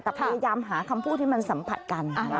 แต่พยายามหาคำพูดที่มันสัมผัสกัน